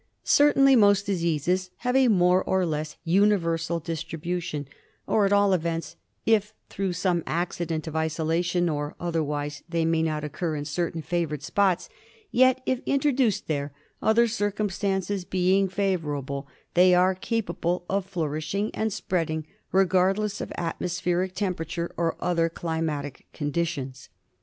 Certainly most diseases have a more or less universal distribution ; or, at all events, if through some accident of isolation or otherwise they may not occur in certain favoured spots, yet if introduced there, other circumstances being favourable, they are capable of flourishing and spreading regard less of atmospheric temperature or other climatic con ditions.